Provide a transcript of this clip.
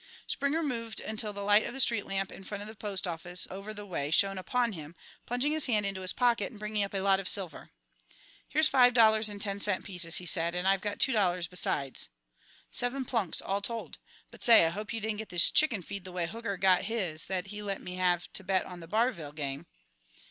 Springer moved until the light of the street lamp in front of the postoffice over the way shone upon him, plunging his hand into his pocket and bringing up a lot of silver. "Here's five dollars in ten cent pieces," he said; "and I've got two dollars besides." "Seven plunks, all told. But say, I hope you didn't get this chicken feed the way Hooker got his that he let me have to bet on the Barville game."